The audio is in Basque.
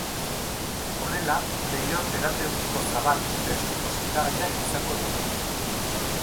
Honela leiho terapeutiko zabal eta estuko sendagaiak izango ditugu.